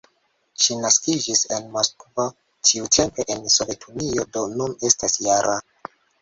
Ŝi naskiĝis en Moskvo, tiutempe en Sovetunio, do nun estas -jara.